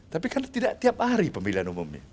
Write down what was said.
tapi karena tidak tiap hari pemilihan umumnya